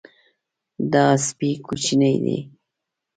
دا سپی کوچنی دی.